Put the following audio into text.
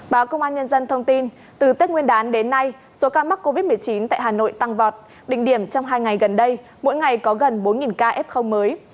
báo công an nhân dân thông tin từ tết nguyên đán đến nay số ca mắc covid một mươi chín tại hà nội tăng vọt đỉnh điểm trong hai ngày gần đây mỗi ngày có gần bốn ca f mới